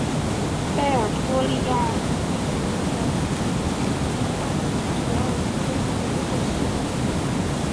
贝尔托利尼亚是巴西皮奥伊州的一个市镇。